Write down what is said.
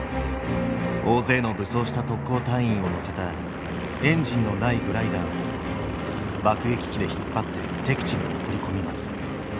大勢の武装した特攻隊員を乗せたエンジンのないグライダーを爆撃機で引っ張って敵地に送り込みます。